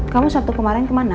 kamu sabtu kemarin kemana